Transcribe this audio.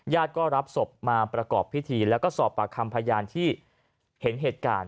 ก็รับศพมาประกอบพิธีแล้วก็สอบปากคำพยานที่เห็นเหตุการณ์